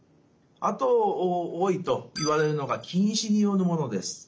あと多いといわれるのが近視によるものです。